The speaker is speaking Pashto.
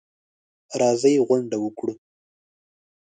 راځئ غونډه وکړو.